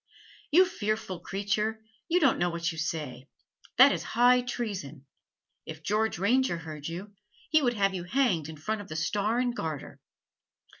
"You fearful creature, you don't know what you say. That is high treason. If George Ranger heard you, he would have you hanged in front of the Star and Garter."